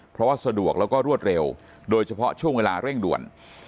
เพราะว่าสะดวกแล้วก็รวดเร็วโดยเฉพาะช่วงเวลาเร่งด่วน